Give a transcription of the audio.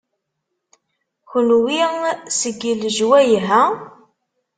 Kenwi seg lejwayeh-a?